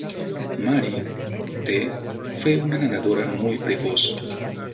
Mary T. fue una nadadora muy precoz.